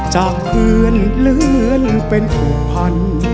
จากเพื่อนเลื่อนเป็นผูกพัน